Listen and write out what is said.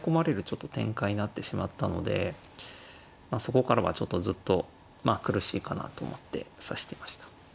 ちょっと展開になってしまったのでそこからはちょっとずっとまあ苦しいかなと思って指してました。